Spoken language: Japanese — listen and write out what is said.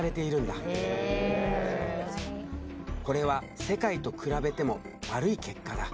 これは世界と比べても悪い結果だ。